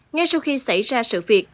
ngay sau khi xảy ra sự việc